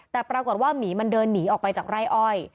แต่ปรากฏว่าหมีมันเดินหนีออกไปจากไร่อ้อย